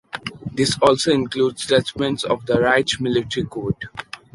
This also includes judgments of the Reich Military Court.